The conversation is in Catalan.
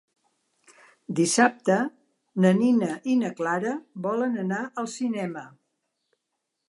Dissabte na Nina i na Clara volen anar al cinema.